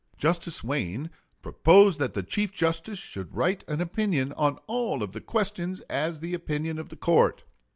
Justice Wayne "proposed that the Chief Justice should write an opinion on all of the questions as the opinion of the court.